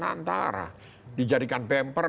antara dijadikan bumper